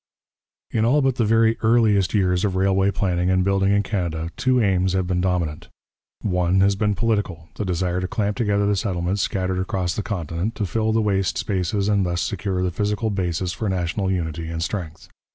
In all but the very earliest years of railway planning and building in Canada, two aims have been dominant. One has been political, the desire to clamp together the settlements scattered across the continent, to fill the waste spaces and thus secure the physical basis for national unity and strength.